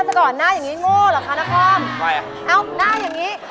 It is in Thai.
ผมกำลังขับรถมาดี